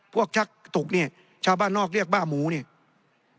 ชักตุกเนี่ยชาวบ้านนอกเรียกบ้าหมูเนี่ย